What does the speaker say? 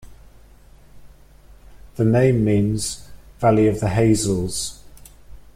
The name means 'valley of the hazels'.